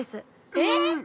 えっ！